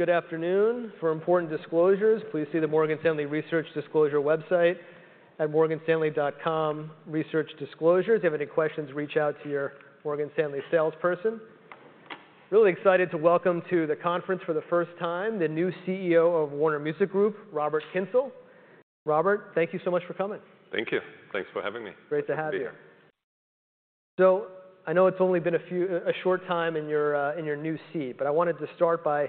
Good afternoon. For important disclosures, please see the Morgan Stanley research disclosure website at morganstanley.com/researchdisclosures. If you have any questions, reach out to your Morgan Stanley salesperson. Really excited to welcome to the conference for the first time, the new CEO of Warner Music Group, Robert Kyncl. Robert, thank you so much for coming. Thank you. Thanks for having me. Great to have you. Good to be here. I know it's only been a short time in your in your new seat, but I wanted to start by, you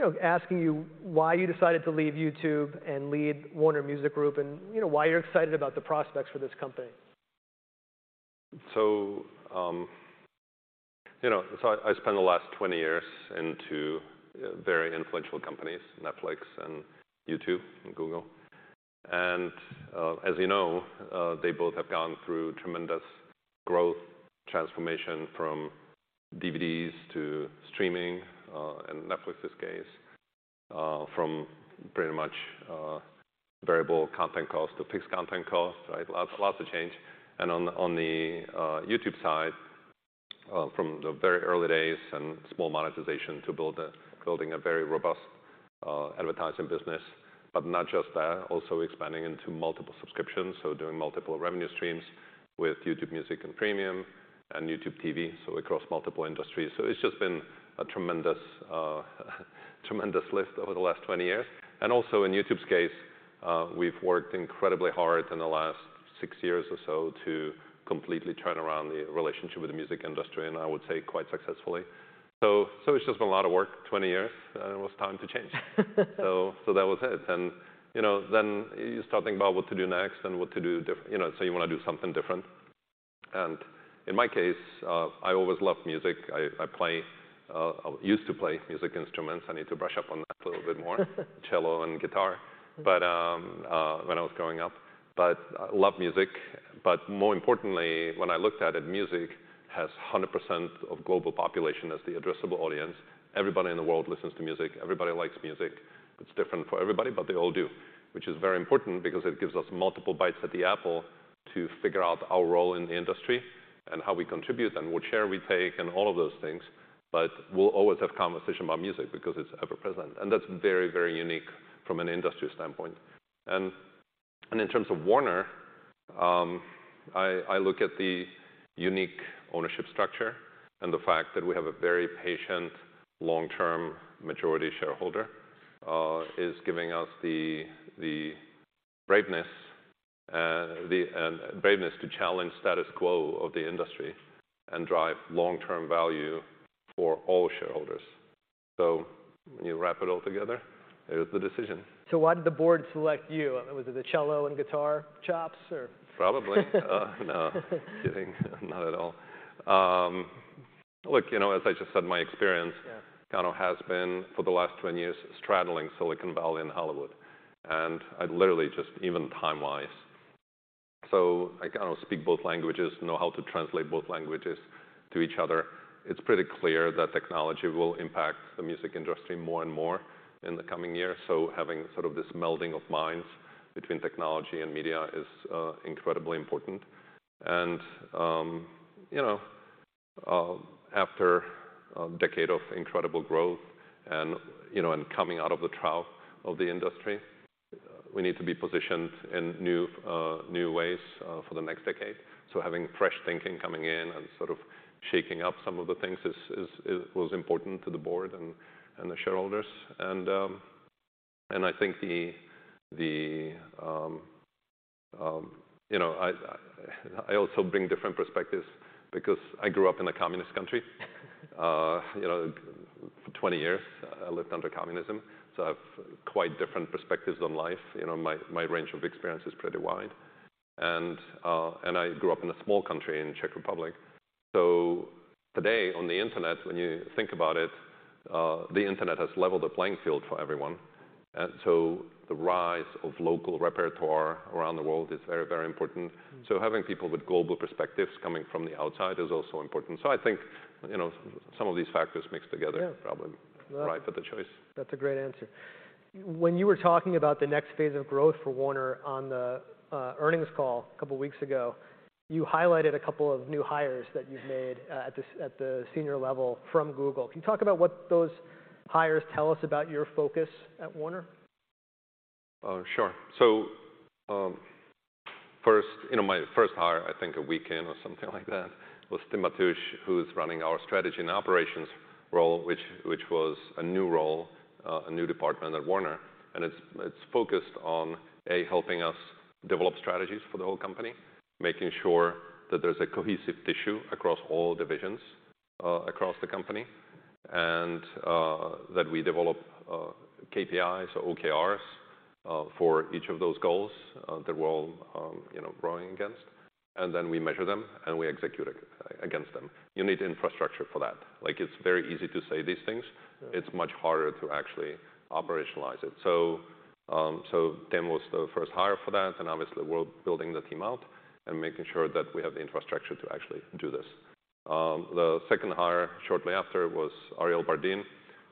know, asking you why you decided to leave YouTube and lead Warner Music Group and, you know, why you're excited about the prospects for this company. You know, I spent the last 20 years in two very influential companies, Netflix and YouTube and Google. As you know, they both have gone through tremendous growth, transformation from DVDs to streaming, in Netflix's case, from pretty much variable content cost to fixed content cost, right? Lots of change. On the YouTube side, from the very early days and small monetization to building a very robust advertising business, but not just that, also expanding into multiple subscriptions, doing multiple revenue streams with YouTube Music and Premium and YouTube TV, across multiple industries. It's just been a tremendous lift over the last 20 years. Also, in YouTube's case, we've worked incredibly hard in the last 6 years or so to completely turn around the relationship with the music industry, and I would say quite successfully. It's just been a lot of work, 20 years, and it was time to change. That was it. You know, then you start thinking about what to do next and what to do, you know, so you wanna do something different. In my case, I always loved music. I play, used to play music instruments. I need to brush up on that a little bit more. Cello and guitar. When I was growing up. I love music, but more importantly, when I looked at it, music has 100% of global population as the addressable audience. Everybody in the world listens to music. Everybody likes music. It's different for everybody, but they all do, which is very important because it gives us multiple bites at the apple to figure out our role in the industry and how we contribute and what share we take and all of those things. We'll always have conversation about music because it's ever present, and that's very, very unique from an industry standpoint. In terms of Warner, I look at the unique ownership structure and the fact that we have a very patient, long-term majority shareholder, is giving us the braveness, the braveness to challenge status quo of the industry and drive long-term value for all shareholders. When you wrap it all together, there's the decision. Why did the board select you? Was it the cello and guitar chops or...? Probably. No. Kidding. Not at all. Look, you know, as I just said, Yeah... kind of has been, for the last 20 years, straddling Silicon Valley and Hollywood, literally just even time wise. I kind of speak both languages, know how to translate both languages to each other. It's pretty clear that technology will impact the music industry more and more in the coming years, so having sort of this melding of minds between technology and media is incredibly important. You know, after a decade of incredible growth and, you know, coming out of the trough of the industry, we need to be positioned in new ways for the next decade. Having fresh thinking coming in and sort of shaking up some of the things was important to the board and the shareholders. You know, I also bring different perspectives because I grew up in a communist country. You know, for 20 years, I lived under communism, so I've quite different perspectives on life. You know, my range of experience is pretty wide. And I grew up in a small country in Czech Republic, so today on the internet, when you think about it, the internet has leveled the playing field for everyone. The rise of local repertoire around the world is very, very important. Having people with global perspectives coming from the outside is also important. I think, you know, some of these factors mixed together- Yeah... probably ripe for the choice. That's a great answer. When you were talking about the next phase of growth for Warner on the earnings call a couple weeks ago, you highlighted a couple of new hires that you've made at the senior level from Google. Can you talk about what those hires tell us about your focus at Warner? Sure. First, you know, my first hire, I think a week in or something like that, was Tim Matusch, who's running our strategy and operations role, which was a new role, a new department at Warner. It's focused on, A, helping us develop strategies for the whole company, making sure that there's a cohesive tissue across all divisions, across the company and that we develop KPIs or OKRs for each of those goals that we're all, you know, rowing against, and then we measure them, and we execute against them. You need infrastructure for that. Like, it's very easy to say these things. Yeah. It's much harder to actually operationalize it. Tim Matusch was the first hire for that, and obviously we're building the team out and making sure that we have the infrastructure to actually do this. The second hire shortly after was Ariel Bardin,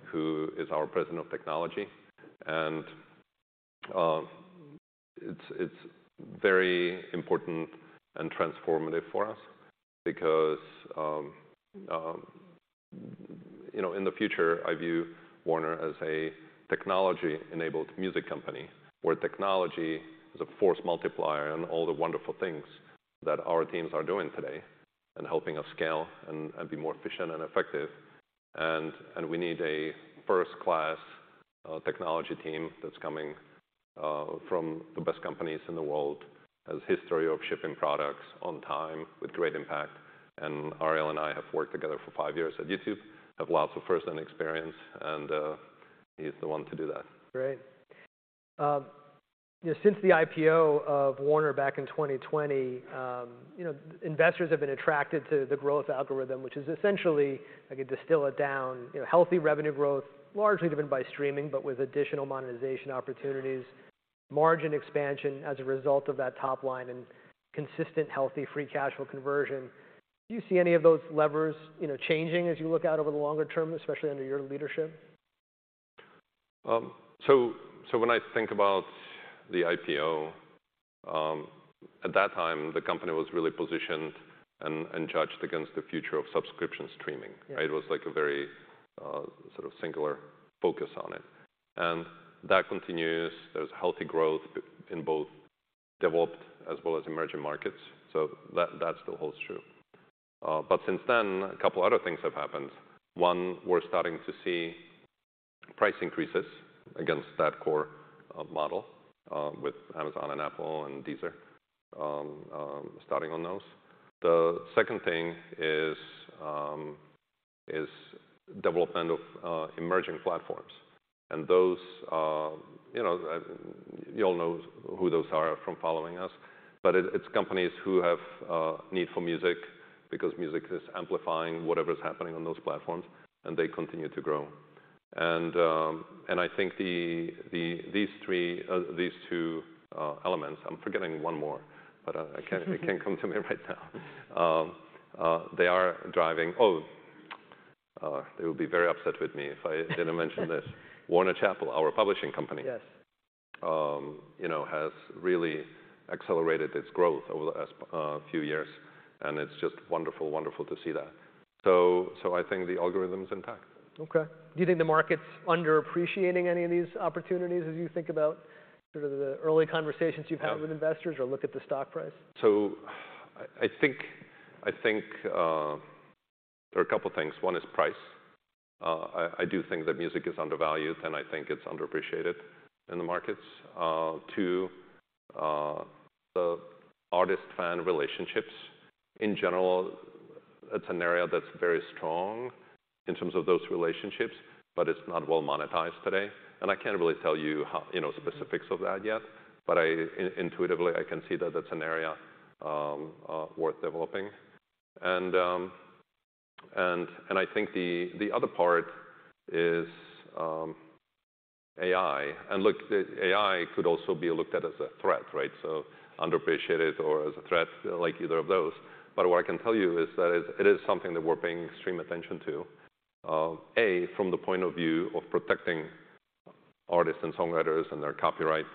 who is our President of Technology. It's very important and transformative for us because, you know, in the future, I view Warner as a technology-enabled music company, where technology is a force multiplier in all the wonderful things that our teams are doing today and helping us scale and be more efficient and effective. And we need a first-class technology team that's coming from the best companies in the world, has history of shipping products on time with great impact. Ariel and I have worked together for five years at YouTube, have lots of first-hand experience, and, he's the one to do that. Great. you know, since the IPO of Warner back in 2020, you know, investors have been attracted to the growth algorithm, which is essentially, I could distill it down, you know, healthy revenue growth, largely driven by streaming, but with additional monetization opportunities, margin expansion as a result of that top line, and consistent, healthy free cash flow conversion. Do you see any of those levers, you know, changing as you look out over the longer term, especially under your leadership? When I think about the IPO, at that time, the company was really positioned and judged against the future of subscription streaming. Yeah. Right? It was, like, a very sort of singular focus on it. That continues. There's healthy growth in both developed as well as emerging markets, so that still holds true. Since then, a couple other things have happened. 1, we're starting to see price increases against that core model with Amazon and Apple and Deezer starting on those. The second thing is development of emerging platforms. Those, you know, you all know who those are from following us. It's companies who have need for music because music is amplifying whatever's happening on those platforms, and they continue to grow. I think these 3, these 2 elements, I'm forgetting one more, but it can't come to me right now. They would be very upset with me if I didn't mention this. Warner Chappell, our publishing company. Yes... you know, has really accelerated its growth over the last, few years, and it's just wonderful to see that. I think the algorithm's intact. Okay. Do you think the market's underappreciating any of these opportunities as you think about sort of the early conversations you've had? Yeah... with investors or look at the stock price? I think there are a couple things. One is price. I do think that music is undervalued, and I think it's underappreciated in the markets. Two, the artist-fan relationships, in general, it's an area that's very strong in terms of those relationships, but it's not well-monetized today. I can't really tell you how, you know, specifics of that yet, but I intuitively I can see that that's an area worth developing. I think the other part is AI. Look, AI could also be looked at as a threat, right? Underappreciated or as a threat, like either of those. What I can tell you is that it is something that we're paying extreme attention to, A, from the point of view of protecting artists and songwriters and their copyright,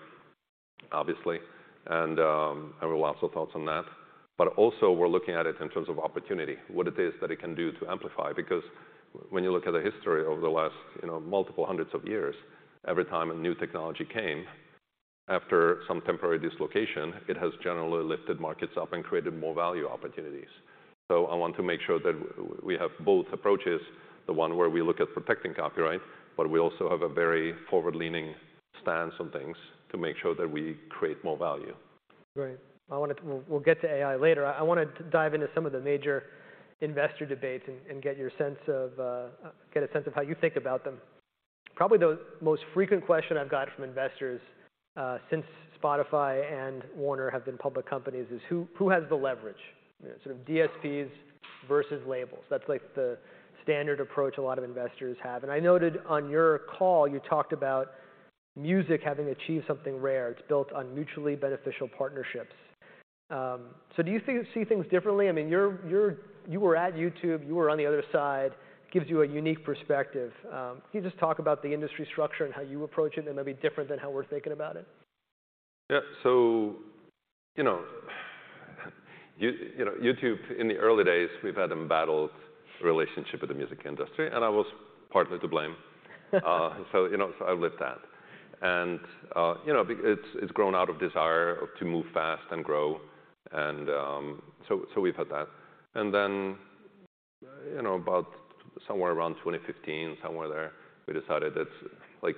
obviously, and I have lots of thoughts on that. Also, we're looking at it in terms of opportunity, what it is that it can do to amplify. When you look at the history over the last, you know, multiple hundreds of years, every time a new technology came, after some temporary dislocation, it has generally lifted markets up and created more value opportunities. I want to make sure that we have both approaches, the one where we look at protecting copyright, but we also have a very forward-leaning stance on things to make sure that we create more value. Great. I wanna... We'll get to AI later. I wanted to dive into some of the major investor debates and get your sense of, get a sense of how you think about them. Probably the most frequent question I've got from investors since Spotify and Warner have been public companies is: Who has the leverage? You know, sort of DSPs versus labels. That's, like, the standard approach a lot of investors have. I noted on your call, you talked about music having achieved something rare. It's built on mutually beneficial partnerships. Do you think you see things differently? I mean, you were at YouTube, you were on the other side, gives you a unique perspective. Can you just talk about the industry structure and how you approach it, and it may be different than how we're thinking about it? Yeah. You know, YouTube, in the early days, we've had an embattled relationship with the music industry, and I was partly to blame. You know, I've lived that. You know, it's grown out of desire to move fast and grow and, so we've had that. You know, about somewhere around 2015, somewhere there, we decided it's, like,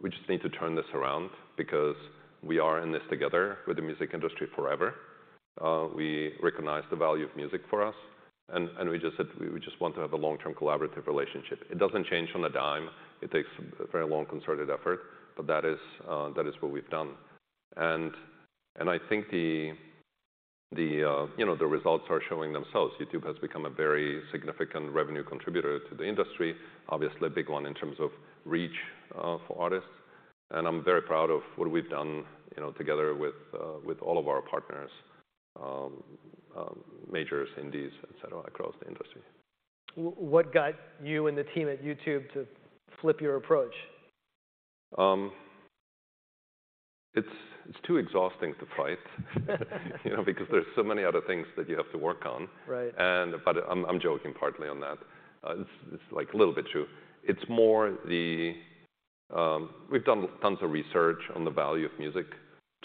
we just need to turn this around because we are in this together with the music industry forever. We recognize the value of music for us, and we just said we just want to have a long-term collaborative relationship. It doesn't change on a dime. It takes a very long, concerted effort, but that is what we've done. I think the, you know, the results are showing themselves. YouTube has become a very significant revenue contributor to the industry, obviously a big one in terms of reach, for artists. I'm very proud of what we've done, you know, together with all of our partners, majors, indies, et cetera, across the industry. What got you and the team at YouTube to flip your approach? It's too exhausting to fight. You know, because there's so many other things that you have to work on. Right. But I'm joking partly on that. It's, like, a little bit true. It's more the. We've done tons of research on the value of music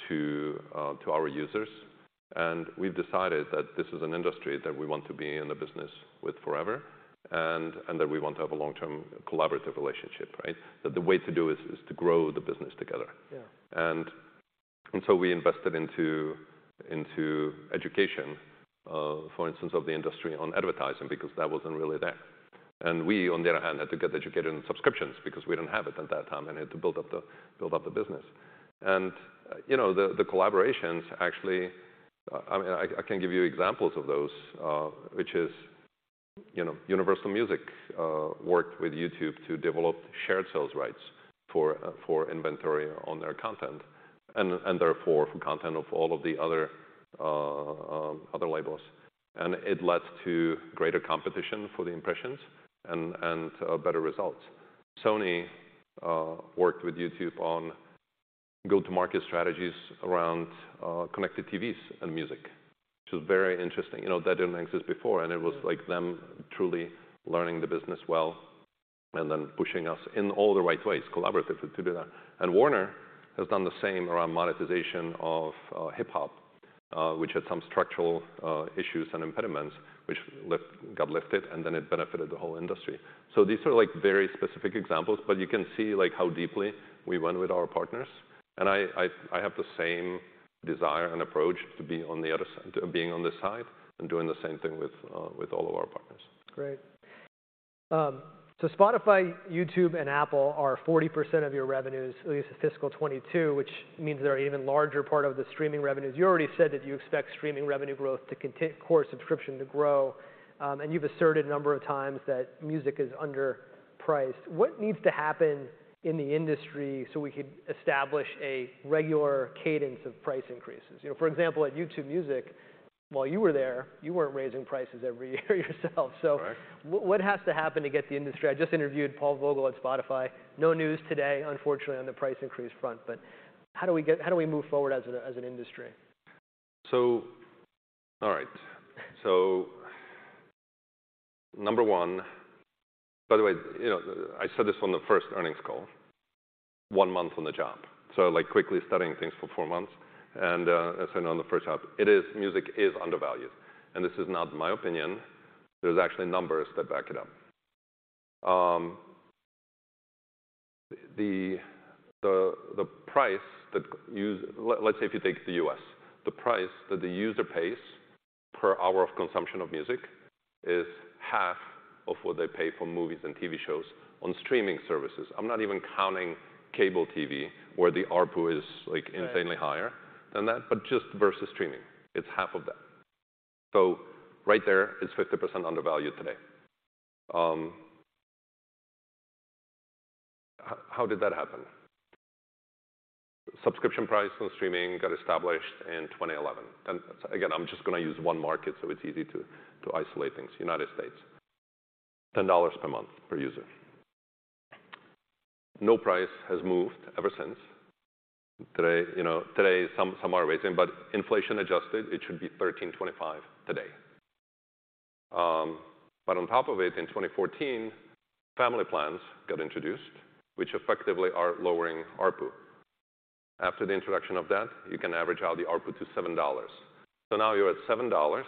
to our users, and we've decided that this is an industry that we want to be in the business with forever and that we want to have a long-term collaborative relationship, right? That the way to do is to grow the business together. Yeah. We invested into education, for instance, of the industry on advertising, because that wasn't really there. We, on the other hand, had to get educated on subscriptions because we didn't have it at that time and had to build up the business. You know, the collaborations, actually, I mean, I can give yo examples of those, which is, you know, Universal Music worked with YouTube to develop shared sales rights for inventory on their content and therefore for content of all of the other labels. It led to greater competition for the impressions and better results. Sony worked with YouTube on go-to-market strategies around connected TVs and music, which was very interesting. You know, that didn't exist before, and it was, like, them truly learning the business well and then pushing us in all the right ways, collaboratively to do that. Warner has done the same around monetization of hip-hop, which had some structural issues and impediments which got lifted, and then it benefited the whole industry. These are, like, very specific examples, but you can see, like, how deeply we went with our partners, and I have the same desire and approach to be on the other side, to being on this side and doing the same thing with all of our partners. Great. Spotify, YouTube, and Apple are 40% of your revenues, at least in fiscal 2022, which means they're an even larger part of the streaming revenues. You already said that you expect streaming revenue growth to core subscription to grow, you've asserted a number of times that music is underpriced. What needs to happen in the industry so we could establish a regular cadence of price increases? You know, for example, at YouTube Music, while you were there, you weren't raising prices every year yourself. Right ...what has to happen to get the industry? I just interviewed Paul Vogel at Spotify. No news today, unfortunately, on the price increase front, but how do we get, how do we move forward as an industry? All right. Number one, by the way, you know, I said this on the first earnings call, one month on the job, so, like, quickly studying things for four months and as I know on the first half, it is, music is undervalued, and this is not my opinion. There's actually numbers that back it up. The price that, let's say if you take the U.S., the price that the user pays per hour of consumption of music is half of what they pay for movies and TV shows on streaming services. I'm not even counting cable TV, where the ARPU is, like, insanely higher. Right ...than that, just versus streaming. It's half of that. Right there, it's 50% undervalued today. How did that happen? Subscription price on streaming got established in 2011. Again, I'm just gonna use one market so it's easy to isolate things, United States. $10 per month per user. No price has moved ever since. Today, you know, today some are raising, inflation adjusted, it should be $13.25 today. On top of it, in 2014, family plans got introduced, which effectively are lowering ARPU. After the introduction of that, you can average out the ARPU to $7. Now you're at $7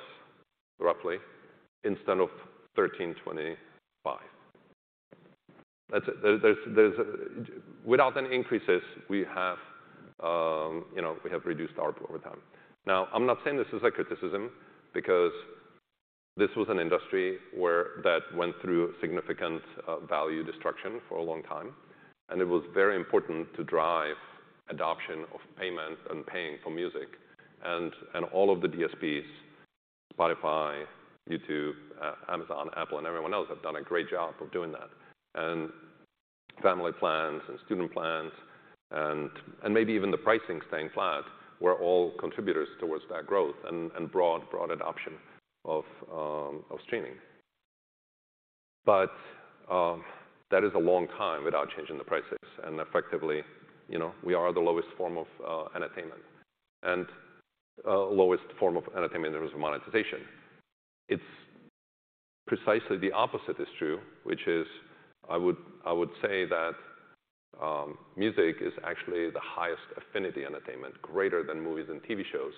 roughly instead of $13.25. That's it. Without any increases, we have, you know, we have reduced ARPU over time. I'm not saying this as a criticism because this was an industry where that went through significant value destruction for a long time, and it was very important to drive adoption of payment and paying for music. All of the DSPs, Spotify, YouTube, Amazon, Apple, and everyone else have done a great job of doing that. Family plans and student plans and maybe even the pricing staying flat were all contributors towards that growth and broad adoption of streaming. That is a long time without changing the prices, and effectively, you know, we are the lowest form of entertainment and lowest form of entertainment in terms of monetization. It's precisely the opposite is true, which is, I would say that, music is actually the highest affinity entertainment, greater than movies and TV shows,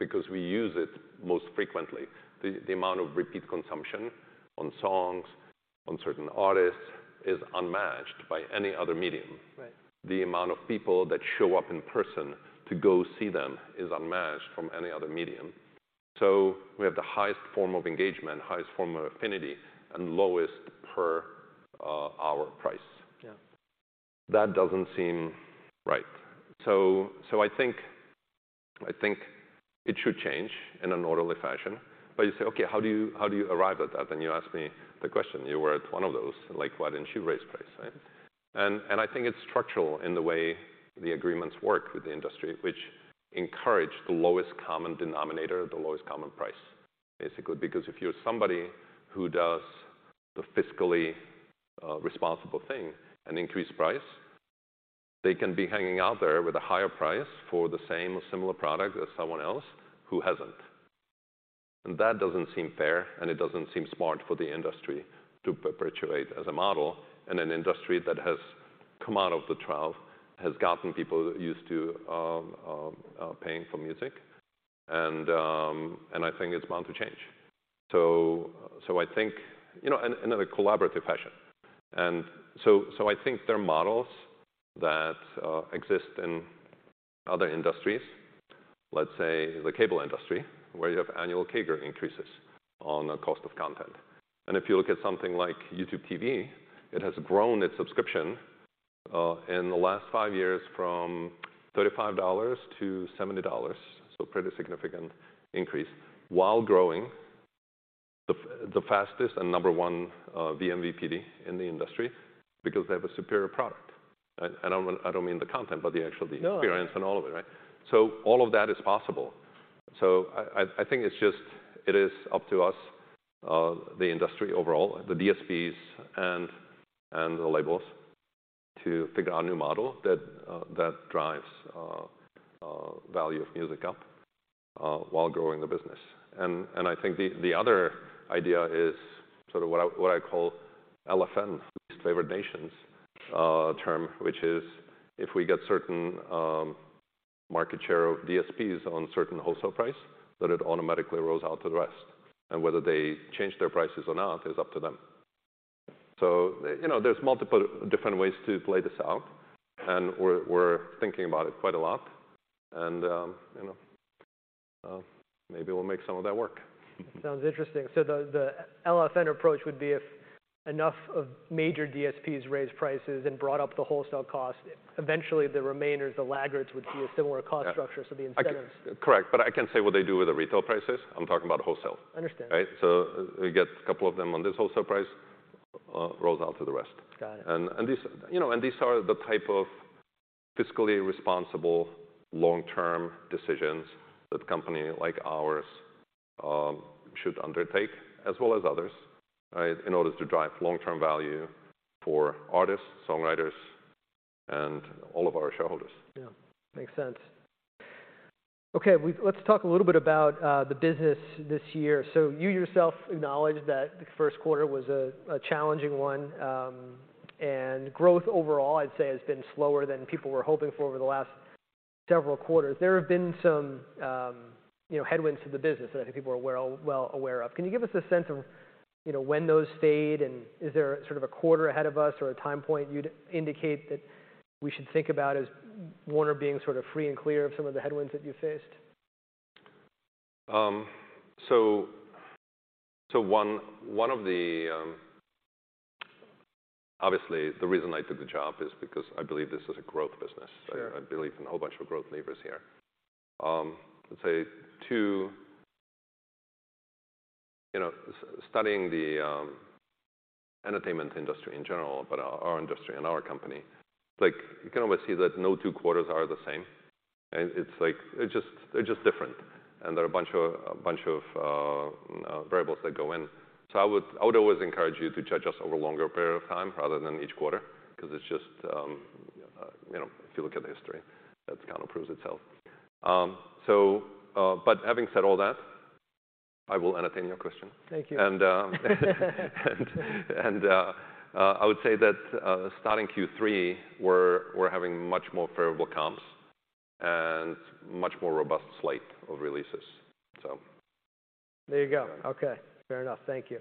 because we use it most frequently. The amount of repeat consumption on songs, on certain artists is unmatched by any other medium. Right. The amount of people that show up in person to go see them is unmatched from any other medium. We have the highest form of engagement, highest form of affinity, and lowest per hour price. Yeah. That doesn't seem right. I think it should change in an orderly fashion. You say, "Okay, how do you arrive at that?" You ask me the question. You were at one of those, like, why didn't you raise price, right? I think it's structural in the way the agreements work with the industry, which encourage the lowest common denominator, the lowest common price, basically. If you're somebody who does the fiscally responsible thing and increase price, they can be hanging out there with a higher price for the same or similar product as someone else who hasn't. That doesn't seem fair, and it doesn't seem smart for the industry to perpetuate as a model in an industry that has come out of the trough, has gotten people used to paying for music, and I think it's bound to change. I think, you know, in a collaborative fashion. I think there are models that exist in other industries, let's say the cable industry, where you have annual CAGR increases on the cost of content. If you look at something like YouTube TV, it has grown its subscription in the last 5 years from $35-$70, so pretty significant increase, while growing the fastest and number one vMVPD in the industry because they have a superior product. I don't mean the content, but the actual- No... the experience and all of it, right? All of that is possible. I think it's just, it is up to us, the industry overall, the DSPs and the labels, to figure out a new model that drives value of music up while growing the business. I think the other idea is sort of what I call MFN, most favored nations term, which is if we get certain market share of DSPs on certain wholesale price, that it automatically rolls out to the rest. Whether they change their prices or not is up to them. You know, there's multiple different ways to play this out, and we're thinking about it quite a lot. You know, maybe we'll make some of that work. Sounds interesting. The MFN approach would be if enough of major DSPs raised prices and brought up the wholesale cost, eventually the remainers, the laggards would see a similar cost structure, so the incentives-. Correct. I can't say what they do with the retail prices. I'm talking about wholesale. Understand. Right? we get a couple of them on this wholesale price, rolls out to the rest. Got it. These, you know, and these are the type of fiscally responsible long-term decisions that company like ours should undertake, as well as others, right, in order to drive long-term value for artists, songwriters, and all of our shareholders. Yeah. Makes sense. Okay. Let's talk a little bit about the business this year. You yourself acknowledged that the first quarter was a challenging one. Growth overall, I'd say, ha been slower than people were hoping for over the last several quarters. There have been some, you know, headwinds to the business that I think people are well aware of. Can you give us a sense of, you know, when those fade, and is there sort of a quarter ahead of us or a time point you'd indicate that we should think about as Warner being sort of free and clear of some of the headwinds that you faced? Obviously, the reason I took the job is because I believe this is a growth business. Sure. I believe in a whole bunch of growth levers here. Let's say two, you know, studying the entertainment industry in general, but our industry and our company, like, you can always see that no two quarters are the same, right? It's like they're just different. There are a bunch of variables that go in. I would always encourage you to judge us over a longer period of time rather than each quarter 'cause it's just, you know, if you look at the history, that kind of proves itself. Having said all that, I will entertain your question. Thank you. I would say that, starting Q3, we're having much more favorable comps and much more robust slate of releases, so. There you go. Okay. Fair enough. Thank you.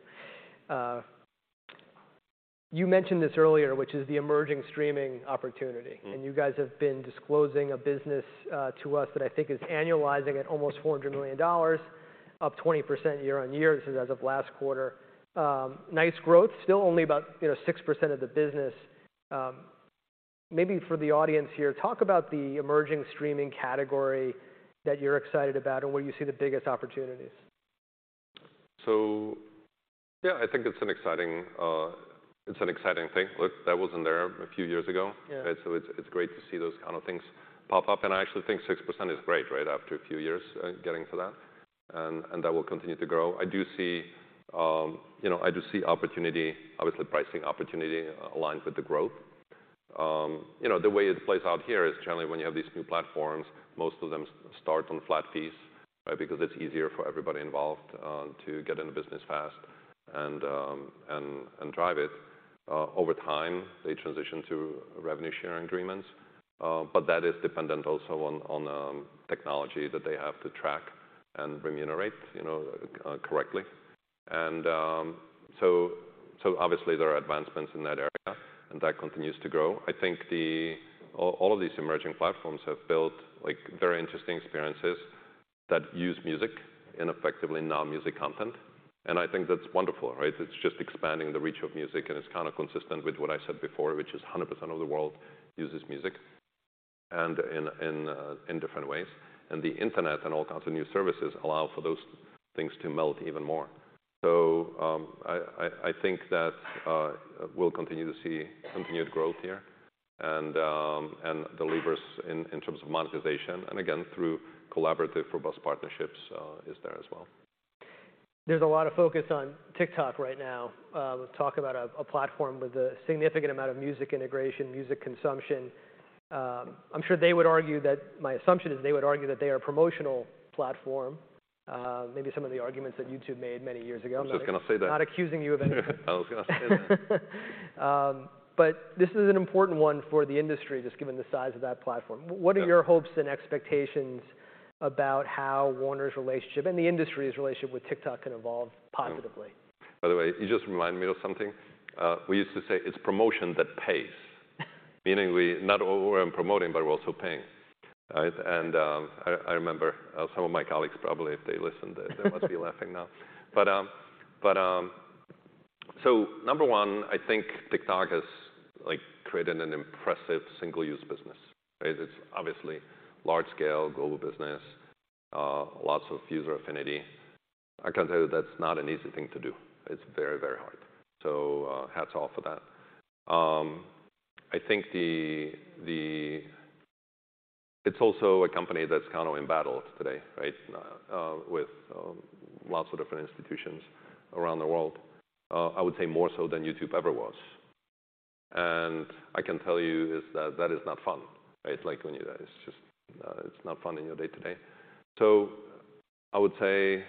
You mentioned this earlier, which is the emerging streaming opportunity. Mm. You guys have been disclosing a business to us that I think is annualizing at almost $400 million, up 20% year-on-year as of last quarter. Nice growth. Still only about, you know, 6% of the business. Maybe for the audience here, talk about the emerging streaming category that you're excited about and where you see the biggest opportunities. Yeah, I think it's an exciting, it's an exciting thing. Look, that wasn't there a few years ago. Yeah. Right? It's great to see those kind of things pop up. I actually think 6% is great, right? After a few years, getting to that, and that will continue to grow. I do see, you know, opportunity, obviously pricing opportunity aligned with the growth. You know, the way it plays out here is generally when you have these new platforms, most of them start on flat fees, right? Because it's easier for everybody involved, to get in the business fast and drive it. Over time, they transition to revenue sharing agreements, but that is dependent also on technology that they have to track and remunerate, you know, correctly. So obviously there are advancements in that area, and that continues to grow. I think the. All of these emerging platforms have built, like, very interesting experiences that use music and effectively now music content. I think that's wonderful, right? It's just expanding the reach of music. It's kind of consistent with what I said before, which is 100% of the world uses music in different ways. The internet and all kinds of new services allow for those things to meld even more. I think that we'll continue to see continued growth here, and the levers in terms of monetization, and again, through collaborative, robust partnerships, is there as well. There's a lot of focus on TikTok right now. talk about a platform with a significant amount of music integration, music consumption. My assumption is they would argue that they are a promotional platform, maybe some of the arguments that YouTube made many years ago. I was just gonna say that. Not accusing you of anything. I was gonna say that. This is an important one for the industry, just given the size of that platform. Yeah. What are your hopes and expectations about how Warner's relationship and the industry's relationship with TikTok can evolve positively? By the way, you just remind me of something. We used to say it's promotion that pays. Meaning we're not only promoting, but we're also paying, right? I remember some of my colleagues probably, if they listened, they must be laughing now. Number one, I think TikTok has, like, created an impressive single-use business. Right? It's obviously large scale, global business, lots of user affinity. I can tell you that's not an easy thing to do. It's very hard. Hats off for that. I think it's also a company that's kind of in battle today, right? With lots of different institutions around the world, I would say more so than YouTube ever was. I can tell you is that that is not fun, right? Like when you It's just, it's not fun in your day-to-day. I would say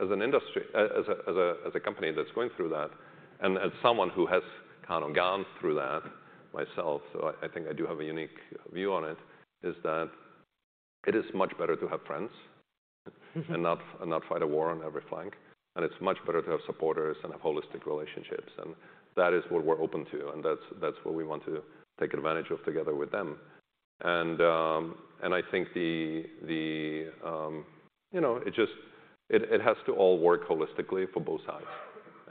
as an industry, as a company that's going through that and as someone who has kind of gone through that myself, so I think I do have a unique view on it, is that it is much better to have friends and not fight a war on every flank. It's much better to have supporters and have holistic relationships, and that is what we're open to, and that's what we want to take advantage of together with them. I think the You know, it just, it has to all work holistically for both sides,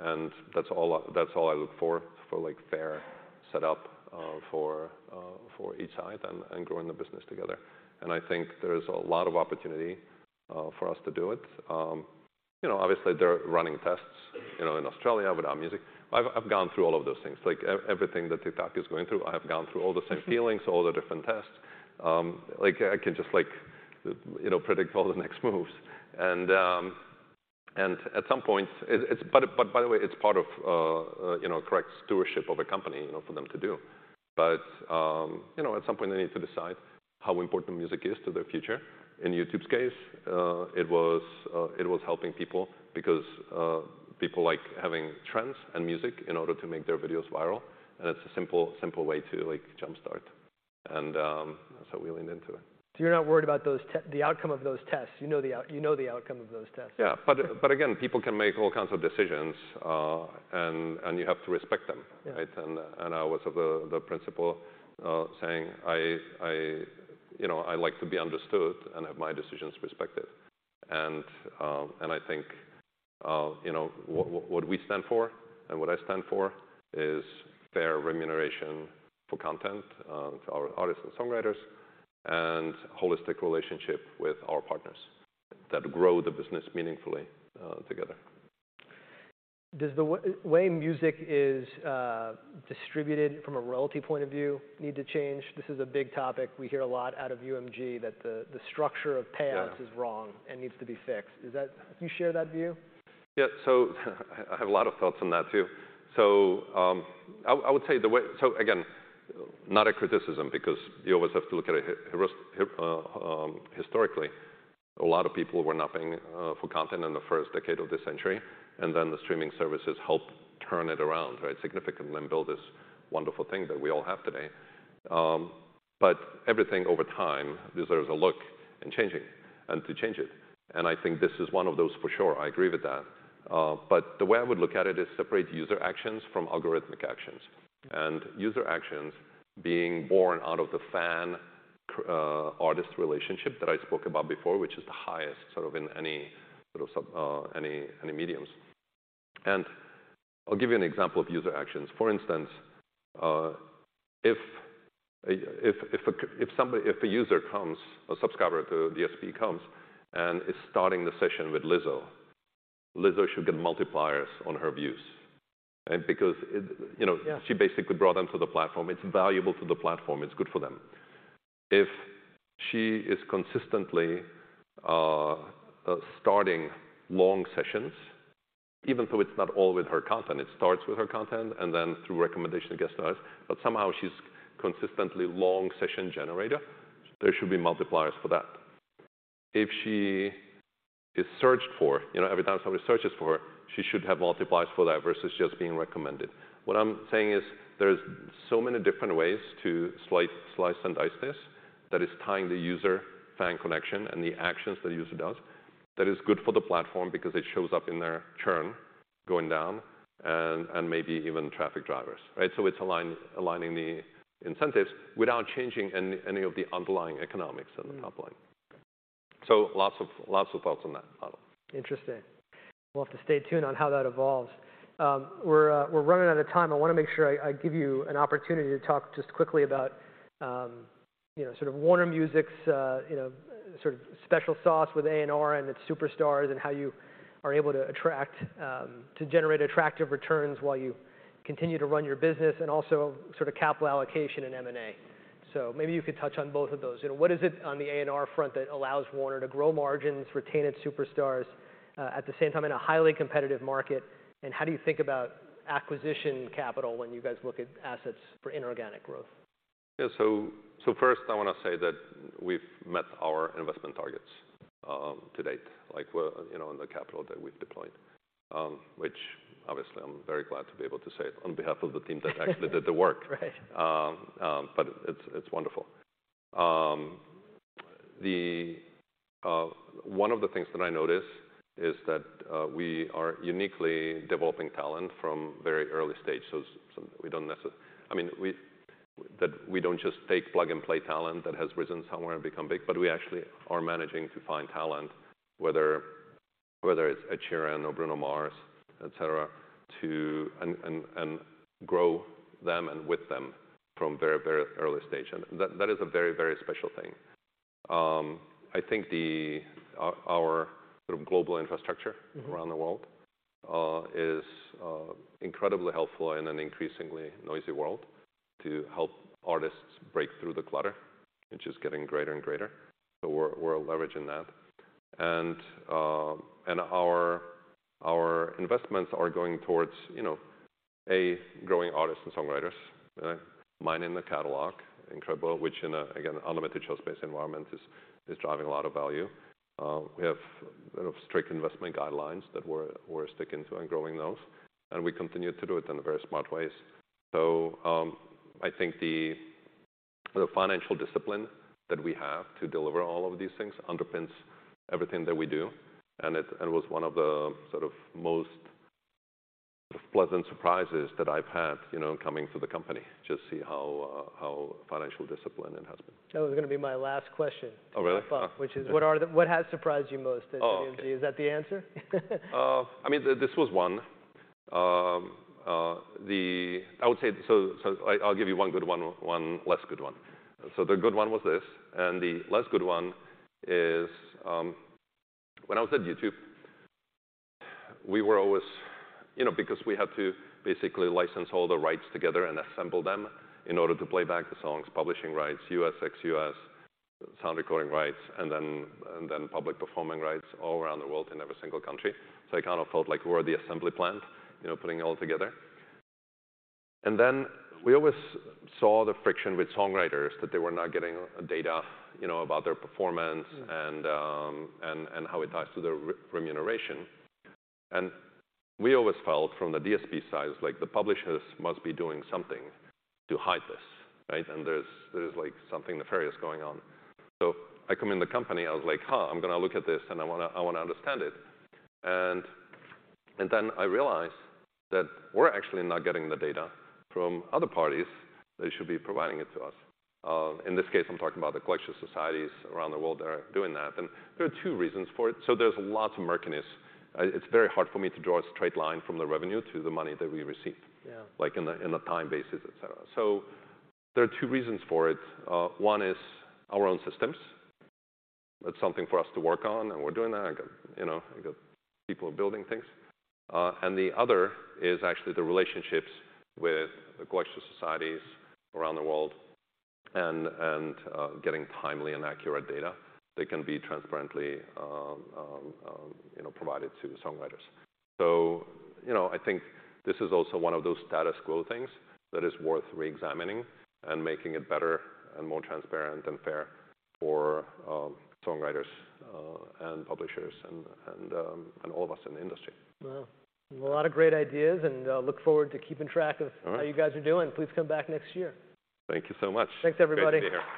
and that's all, that's all I look for like fair set up for each side and growing the business together. I think there's a lot of opportunity for us to do it. You know, obviously they're running tests, you know, in Australia with our music. I've gone through all of those things. Like everything that TikTok is going through, I have gone through all the same feelings, all the different tests. Like I can just like, you know, predict all the next moves. At some point it's. By the way, it's part of, you know, correct stewardship of a company, you know, for them to do. You know, at some point they need to decide how important music is to their future. In YouTube's case, it was helping people because people like having trends and music in order to make their videos viral, and it's a simple way to like jumpstart and we leaned into it. you're not worried about the outcome of those tests? You know the outcome of those tests. Yeah. Again, people can make all kinds of decisions, and you have to respect them, right? Yeah. I was of the principle, saying, you know, I like to be understood and have my decisions respected. I think, you know, what we stand for and what I stand for is fair remuneration for content, for our artists and songwriters and holistic relationship with our partners that grow the business meaningfully, together. Does the way music is distributed from a royalty point of view need to change? This is a big topic we hear a lot out of UMG that the structure of payouts- Yeah is wrong and needs to be fixed. Do you share that view? I have a lot of thoughts on that too. I would say again, not a criticism because you always have to look at it historically, a lot of people were not paying for content in the first decade of this century, and then the streaming services helped turn it around, right? Significantly and build this wonderful thing that we all have today. Everything over time deserves a look in changing and to change it, and I think this is one of those for sure. I agree with that. The way I would look at it is separate user actions from algorithmic actions and user actions being born out of the fan-artist relationship that I spoke about before, which is the highest sort of in any little sub, any mediums. I'll give you an example of user actions. For instance, if a user comes, a subscriber to the SV comes and is starting the session with Lizzo should get multipliers on her views and because it, you know. Yeah... she basically brought them to the platform. It's valuable to the platform. It's good for them. If she is consistently starting long sessions, even though it's not all with her content, it starts with her content and then through recommendation it gets to us. Somehow she's consistently long session generator, there should be multipliers for that. If she is searched for, you know, every time somebody searches for her, she should have multipliers for that versus just being recommended. I'm saying is there's so many different ways to slice and dice this that is tying the user-fan connection and the actions the user does that is good for the platform because it shows up in their churn going down and maybe even traffic drivers, right? It's aligning the incentives without changing any of the underlying economics on the top line. Mm-hmm. Lots of thoughts on that model. Interesting. We'll have to stay tuned on how that evolves. We're running out of time. I want to make sure I give you an opportunity to talk just quickly about, you know, sort of Warner Music's, you know, sort of special sauce with A&R and its superstars and how you are able to attract, to generate attractive returns while you continue to run your business and also sort of capital allocation in M&A. Maybe you could touch on both of those. You know, what is it on the A&R front that allows Warner to grow margins, retain its superstars, at the same time in a highly competitive market? How do you think about acquisition capital when you guys look at assets for inorganic growth? Yeah. First I wanna say that we've met our investment targets, to date, like you know, in the capital that we've deployed. Which obviously I'm very glad to be able to say it on behalf of the team that actually did the work. Right. It's, it's wonderful. The one of the things that I noticed is that we are uniquely developing talent from very early stage. We don't just take plug-and-play talent that has risen somewhere and become big, but we actually are managing to find talent, whether it's Ed Sheeran or Bruno Mars, et cetera, to and grow them and with them from very, very early stage. That is a very, very special thing. I think the, our sort of global infrastructure... Mm-hmm -around the world, is incredibly helpful in an increasingly noisy world to help artists break through the clutter, which is getting greater and greater, so we're leveraging that. Our investments are going towards, you know, A, growing artists and songwriters, mining the catalog, incredible, which in a, again, unlimited show space environment is driving a lot of value. We have, you know, strict investment guidelines that we're sticking to and growing those, and we continue to do it in very smart ways. I think the financial discipline that we have to deliver all of these things underpins everything that we do, and it was one of the sort of most pleasant surprises that I've had, you know, coming to the company to see how financial discipline it has been. That was gonna be my last question. Oh, really? -to follow up, which is what has surprised you most at WMG? Oh, okay. Is that the answer? I mean, this was one. I would say, so I'll give you one good one less good one. The good one was this, and the less good one is, when I was at YouTube, we were always, you know, because we had to basically license all the rights together and assemble them in order to play back the songs, publishing rights, US, ex US, sound recording rights, and then public performing rights all around the world in every single country. I kind of felt like we're the assembly plant, you know, putting it all together. Then we always saw the friction with songwriters, that they were not getting data, you know, about their performance. Mm how it ties to their remuneration. We always felt from the DSP side, it's like the publishers must be doing something to hide this, right? There's like something nefarious going on. I come in the company, I was like, "Huh, I'm gonna look at this, and I wanna understand it." I realized that we're actually not getting the data from other parties. They should be providing it to us. In this case, I'm talking about the collection societies around the world that are doing that, and there are 2 reasons for it. There's lots of murkiness. It's very hard for me to draw a straight line from the revenue to the money that we receive. Yeah Like in a, in a time basis, et cetera. There are two reasons for it. One is our own systems. That's something for us to work on, and we're doing that. I got, you know, I got people building things. The other is actually the relationships with the collection societies around the world and getting timely and accurate data that can be transparently, you know, provided to songwriters. You know, I think this is also one of those status quo things that is worth reexamining and making it better and more transparent and fair for songwriters, and publishers and all of us in the industry. Wow. A lot of great ideas, and, look forward to keeping track of- All right. how you guys are doing. Please come back next year. Thank you so much. Thanks, everybody. Great to be here.